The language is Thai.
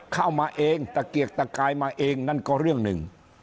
เข้ามาเองตะเกียกตะกายมาเองนั่นก็เรื่องหนึ่ง